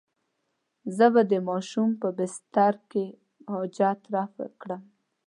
زه به د ماشوم په بستره کې حاجت رفع کړم.